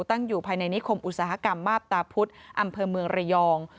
ตั้งอยู่ภายในนิคมอุตสาหกรรมมาบตาพุธอำเภอเมืองระยอง